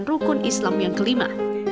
dan rukun islam yang kelima